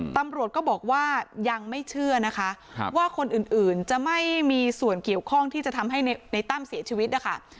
ตำรวจก็บอกว่ายังไม่เชื่อนะคะว่าคนอื่นจะไม่มีส่วนเกี่ยวข้องที่จะทำให้ในตั้มเสียชีวิตนะคะ